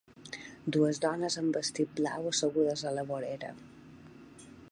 Dues dones amb vestit blau assegudes a la vorera.